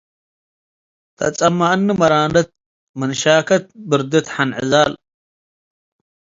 ተአጸመአኒ መራነት - ምን ሻከት ብርድት ሐን ዕዛል